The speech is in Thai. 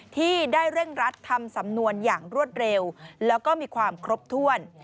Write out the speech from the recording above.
ที่ได้เร่งรัดทำสำนวนอย่างรวดเร็วแล้วก็มีความครบถ้วน